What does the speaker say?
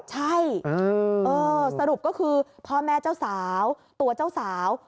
ใช่สรุปก็คือพ่อแม่เจ้าสาวตัวเจ้าสาว